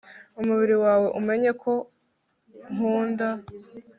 Umubiri wawe umenye ko nkunda